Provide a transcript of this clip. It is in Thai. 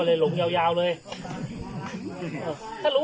ไม่ให้เดินไปที่บ้านที่